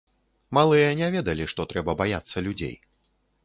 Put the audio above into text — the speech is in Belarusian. Малыя не ведалі, што трэба баяцца людзей.